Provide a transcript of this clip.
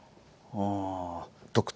ああ